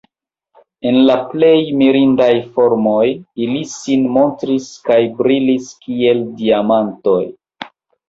En la plej mirindaj formoj ili sin montris kaj brilis kiel diamantoj.